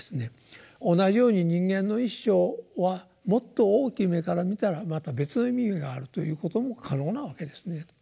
同じように人間の一生はもっと大きい目から見たらまた別の意味があるということも可能なわけですね。